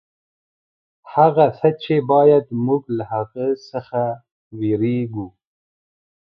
هغه څه چې باید موږ له هغه څخه وېرېږو.